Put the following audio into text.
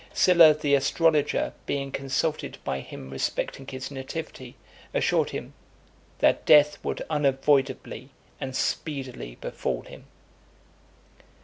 Sylla, the astrologer, being, consulted by him respecting his nativity, assured him, "That death would unavoidably and speedily befall him."